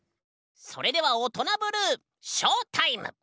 それでは「オトナブルー」ショータイム！